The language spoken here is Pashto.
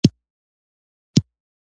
شپه می پر سر باندی اخیستې تر سهاره درځم